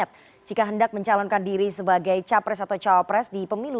dianggap sebagai tempat yang penting